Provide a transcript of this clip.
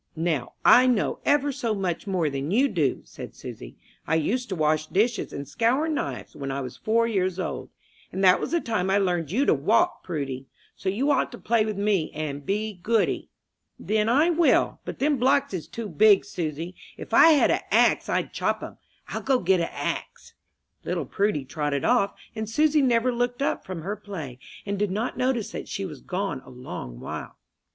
"Now I know ever so much more than you do," said Susy. "I used to wash dishes and scour knives when I was four years old, and that was the time I learned you to walk, Prudy; so you ought to play with me, and be goody." "Then I will; but them blocks is too big, Susy. If I had a axe I'd chop 'em: I'll go get a axe." Little Prudy trotted off, and Susy never looked up from her play, and did not notice that she was gone a long while.